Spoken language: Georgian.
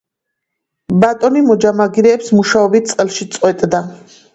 ბატონი მოჯამაგირეებს მუშაობით წელში წყვეტდა.